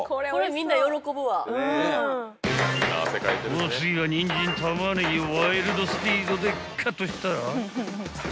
［お次はニンジンタマネギをワイルドスピードでカットしたら］